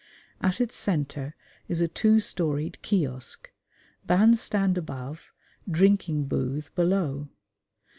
At its centre is a two storeyed kiosk bandstand above, drinking booth below.